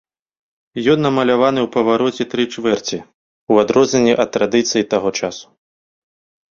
Ён намаляваны ў павароце тры чвэрці, у адрозненне ад традыцыі таго часу.